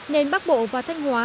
nên bắc bộ và thanh hóa